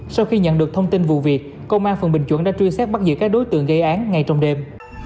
sau khi nhận được thông tin vụ việc công an phường bình chuẩn đã truy xét bắt giữ các đối tượng gây án ngay trong đêm